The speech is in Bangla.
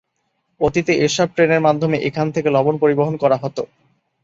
অতীতে এসব ট্রেনের মাধ্যমে এখান থেকে লবণ পরিবহন করা হতো।